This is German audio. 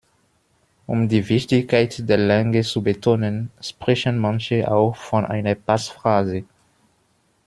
Um die Wichtigkeit der Länge zu betonen, sprechen manche auch von einer Passphrase.